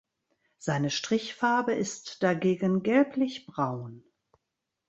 Seine Strichfarbe ist dagegen gelblichbraun.